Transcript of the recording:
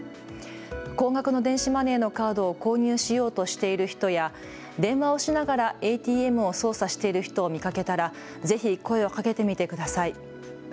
高額の電子マネーのカードを購入しようとしている人や電話をしながらＡＴＭを操作している人を見かけたらぜひ声をかけてみてください。